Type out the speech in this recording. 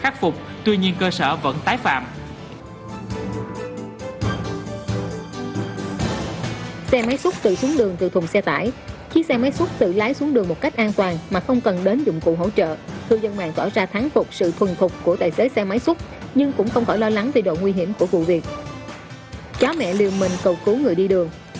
chó mẹ liều mình cầu cứu người đi đường